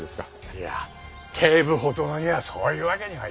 いや警部補殿にはそういうわけにはいきませんよ。